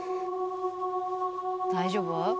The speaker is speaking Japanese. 大丈夫？